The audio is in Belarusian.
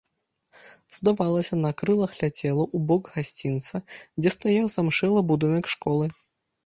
Здавалася, на крылах ляцела ў бок гасцінца, дзе стаяў замшэлы будынак школы.